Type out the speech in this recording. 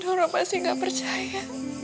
nora masih gak percaya